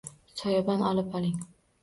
Soyabon olib oling.